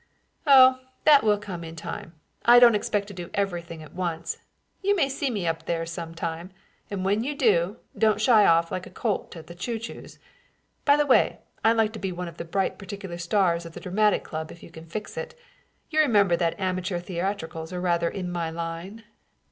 "Oh, that will come in time. I don't expect to do everything at once. You may see me up there some time; and when you do, don't shy off like a colt at the choo choos. By the way, I'd like to be one of the bright particular stars of the Dramatic Club if you can fix it. You remember that amateur theatricals are rather in my line."